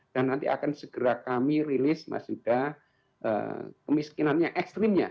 dan nanti akan segera kami rilis mas yuda kemiskinan ekstrimnya